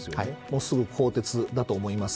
すぐ更迭だと思います。